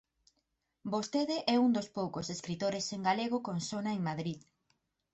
Vostede é un dos poucos escritores en galego con sona en Madrid.